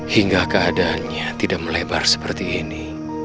hingga keadaannya tidak melebar seperti ini